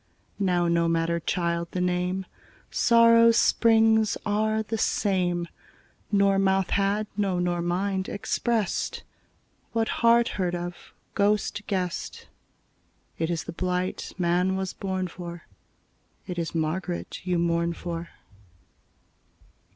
Now no matter, child, the name: Sórrow's spríngs áre the same. Nor mouth had, no nor mind, expressed What heart heard of, ghost guessed: It is the blight man was born for, It is Margaret you mourn for.